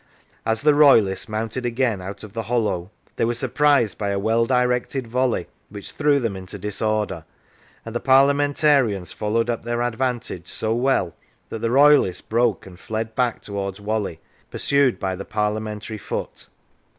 As the Royalists mounted again out of the hollow, they were surprised by a well directed volley which threw them into disorder, and the Parliamen tarians followed up their advantage so well that the Royalists broke and fled back towards Whalley, pursued by the Parliamentary foot.